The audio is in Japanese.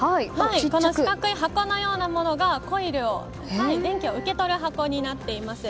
この四角い箱のようなものがコイル、電気を受け取る箱になっています。